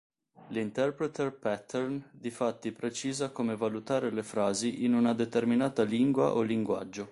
L'interpreter pattern difatti precisa come valutare le frasi in una determinata lingua o linguaggio.